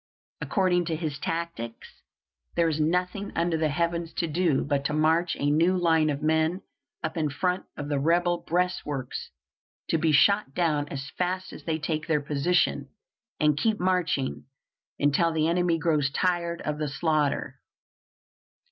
According to his tactics, there is nothing under the heavens to do but to march a new line of men up in front of the rebel breastworks to be shot down as fast as they take their position, and keep marching until the enemy grows tired of the slaughter.